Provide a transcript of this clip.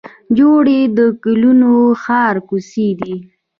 جوړې د ګلو د ښار کوڅې دي